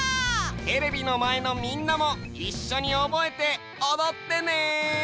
テレビのまえのみんなもいっしょにおぼえておどってね！